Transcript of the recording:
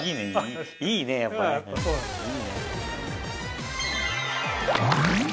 いいねやっぱね。